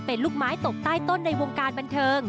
เป็นลูกไม้ตกใต้ต้นในวงการบันเทิง